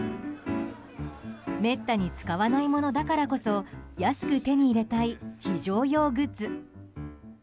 めったに使わないものだからこそ安く手に入れたい非常用グッズ。